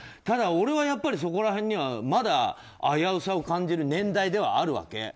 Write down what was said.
ただ、俺はやっぱりそこら辺にはまだ危うさを感じる年代ではあるわけ。